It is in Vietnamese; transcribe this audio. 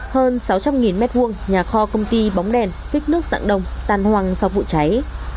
hơn sáu trăm linh m hai nhà kho công ty bóng đèn phích nước giảng đông tàn hoàng sau vụ cháy